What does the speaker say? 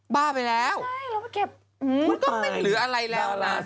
บ้าไปแล้วมันก็ไม่เหลืออะไรแล้วน่ะพี่อิลเลอร์เออใช่เรามาเก็บ